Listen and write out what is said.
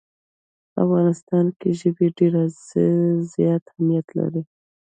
په افغانستان کې ژبې ډېر زیات اهمیت لري.